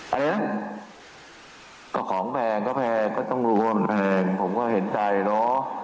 เพราะฉะนั้นก็ของแพงก็แพงก็ต้องรู้ว่ามันแพงผมก็เห็นใจเนอะ